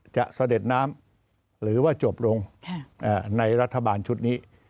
เสด็จน้ำหรือว่าจบลงในรัฐบาลชุดนี้